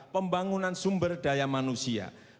pembangunan sumber daya manusia